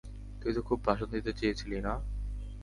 তুই তো খুব ভাষণ দিতে চেয়েছিলি, না?